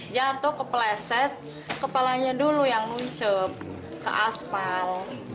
jatuh kepleset kepalanya dulu yang muncup ke aspal